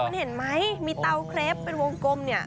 คุณเห็นไหมมีเตาเครปเป็นวงกลมเนี่ย